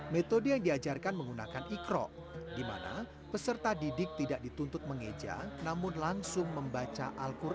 metode yang diajarkan menggunakan ikro dimana peserta didik tidak dituntut mengeja namun langsung membaca al quran